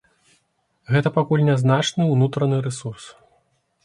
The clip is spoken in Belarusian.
Гэта пакуль нязначны ўнутраны рэсурс.